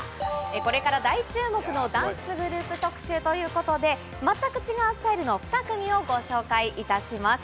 これから大注目のダンスグループ特集ということで、全く違うスタイルの２組をご紹介いたします。